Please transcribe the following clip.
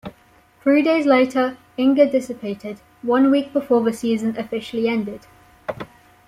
Three days later, Inga dissipated, one week before the season officially ended.